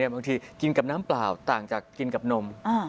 บางทีกินกับน้ำเปล่าต่างจากกินกับนม